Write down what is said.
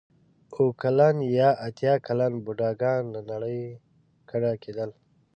اوه کلن یا اتیا کلن بوډاګان له نړۍ کډه کېدل.